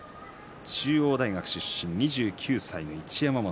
中央大学出身、２９歳の一山本。